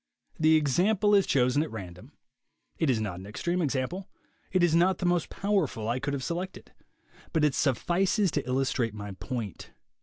The example is chosen at random. It is not an extreme example. It is not the most powerful I could have selected. But it suffices to illustrate my point.